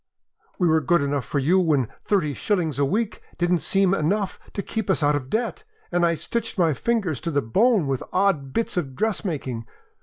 We were good enough for you when thirty shillings a week didn't seem enough to keep us out of debt, and I stitched my fingers to the bone with odd bits of dressmaking.